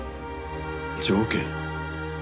条件？